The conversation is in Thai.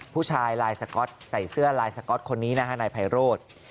ผู้ชายลายสก๊อตใส่เสื้อลายสก๊อตคนนี้นะฮะนายไพโรธ